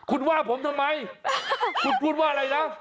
คุณว่าผมทำไมคุณพูดว่าอะไรนะ